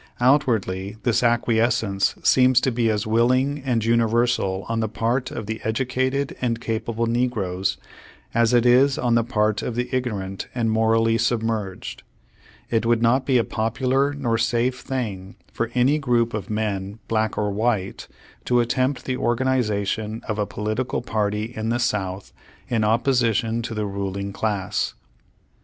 Out wardly this acquiescence seems to be as willing and universal on the part of the educated and ca pable negroes, as it is on the part of the ignorant and morally submerged. It would not be a popu lar nor safe thing for any group of men black or white, to attempt the organization of a political party in the South in opposition to the ruling class.